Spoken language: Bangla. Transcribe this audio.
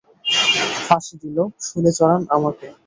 ফাঁসি দিন, শূলে চড়ান আমাকে।